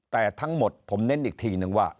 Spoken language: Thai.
แต่ทั้งหมดผมเน้นอีกทีนึงว่า